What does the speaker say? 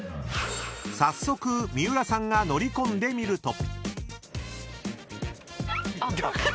［早速三浦さんが乗り込んでみると］あっ。